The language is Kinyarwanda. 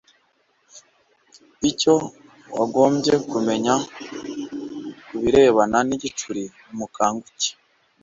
icyo wagombye kumenya ku birebana n igicuri nimukanguke